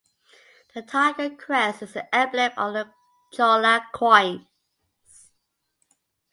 The tiger crest is the emblem on the Chola coins.